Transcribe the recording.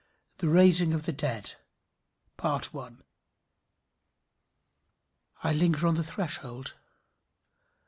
THE RAISING OF THE DEAD. I linger on the threshold.